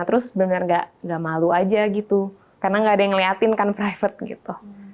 terus bener bener gak malu aja gitu karena gak ada yang ngeliatin kan private gitu